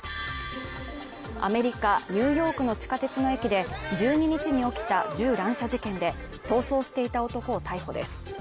アメリカニューヨークの地下鉄の駅で１２日に起きた銃乱射事件で逃走していた男を逮捕です